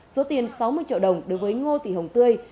số tiền sáu mươi triệu đồng đối với ngô tị hồng tươi